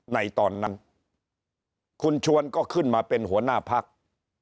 ในตอนนั้นคุณชวนก็ขึ้นมาเป็นหัวหน้าพัก